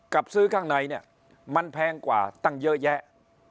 กับซื้อข้างในเนี่ยมันแพงกว่าตั้งเยอะแยะ